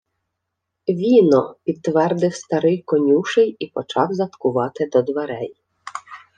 — Віно, — підтвердив старий конюший і почав задкувати до дверей.